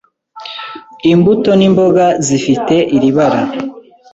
Imbuto n’imboga zifite iri bara,